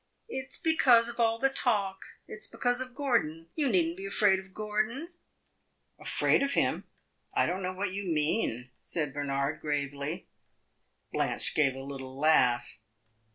"It 's because of all the talk it 's because of Gordon. You need n't be afraid of Gordon." "Afraid of him? I don't know what you mean," said Bernard, gravely. Blanche gave a little laugh.